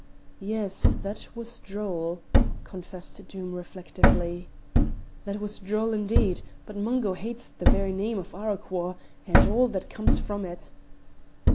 "Yes, that was droll," confessed Doom, reflectively. "That was droll, indeed; but Mungo hates the very name of Arroquhar, and all that comes from it."